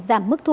giảm mức thuận